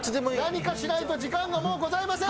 何かしないと時間がもうございません！